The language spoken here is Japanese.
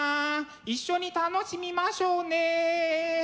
一緒に楽しみましょうね！